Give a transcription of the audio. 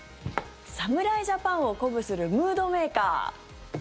侍ジャパンを鼓舞するムードメーカー。